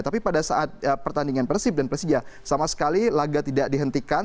tapi pada saat pertandingan persib dan persija sama sekali laga tidak dihentikan